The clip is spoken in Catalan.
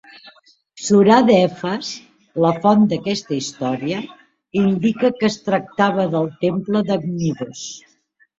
Sorà d'Efes, la font d'aquesta història, indica que es tractava del temple de Cnidos.